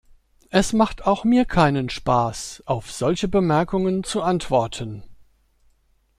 Es macht auch mir keinen Spaß, auf solche Bemerkungen zu antworten.